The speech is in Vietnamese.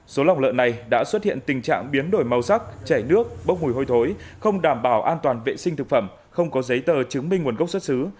số lòng lợn này đã xuất hiện tình trạng biến đổi màu sắc chảy nước bốc mùi hôi thối không đảm bảo an toàn vệ sinh thực phẩm không có giấy tờ chứng minh nguồn gốc xuất xứ